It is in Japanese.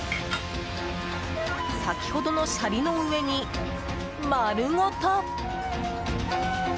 先ほどのシャリの上にまるごと。